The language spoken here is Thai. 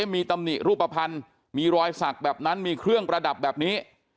มีตำหนิรูปภัณฑ์มีรอยสักแบบนั้นมีเครื่องประดับแบบนี้